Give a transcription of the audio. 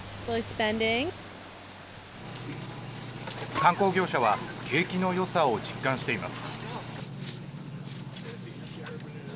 観光業者は景気のよさを実感しています。